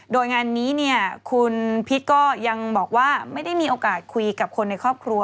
โดยงานนี้เนี่ยคุณพิษก็ยังบอกว่าไม่ได้มีโอกาสคุยกับคนในครอบครัว